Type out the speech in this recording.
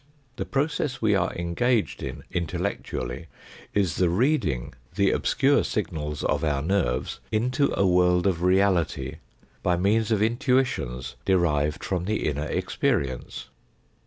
The process we are engaged in intellectually is the reading the obscure signals of our nerves into a world of reality, by means of intuitions derived from the inner experience.